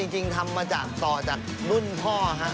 จริงทำมาจากต่อจากรุ่นพ่อครับ